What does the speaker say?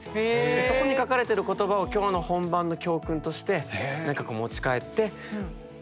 でそこに書かれてる言葉を今日の本番の教訓として何かこう持ち帰って舞台に出るみたいな。